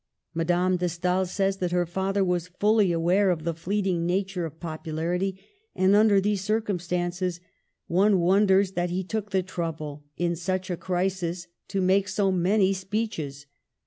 Madame de Stael says that her father was fully aware of the fleeting nature of popularity ; and, under these circumstances, one wonders that he took the trouble, in such a crisis, to make so many speeches.